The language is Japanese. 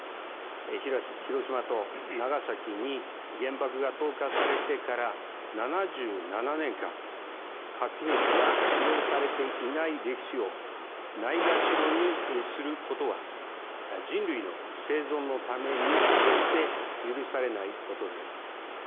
広島と長崎に原爆が投下されてから７７年間核兵器が使用されていない歴史をないがしろにすることは人類の生存のために決して許されないことです。